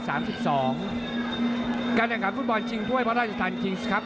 การแข่งขันฟุตบอลชิงถ้วยพระราชทานคิงส์ครับ